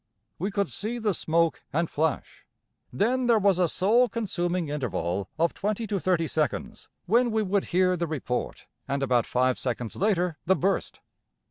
We could see the smoke and flash; then there was a soul consuming interval of 20 to 30 seconds when we would hear the report, and about five seconds later the burst.